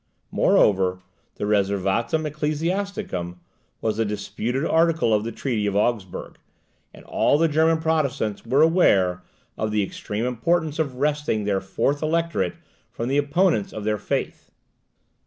Moreover, the Reservatum Ecclesiasticum was a disputed article of the treaty of Augsburg; and all the German Protestants were aware of the extreme importance of wresting this fourth electorate from the opponents of their faith.